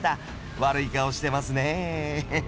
悪い顔してますね。